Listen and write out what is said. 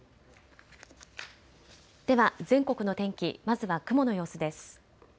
では全国の天気まずは雲の様子です。